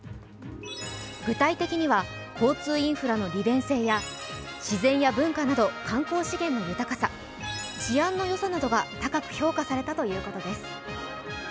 具体的には、交通インフラの利便性や自然や文化など観光資源の豊かさ治安のよさなどが高く評価されたということです。